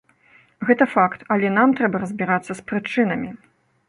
Гэта факт, але нам трэба разбірацца з прычынамі.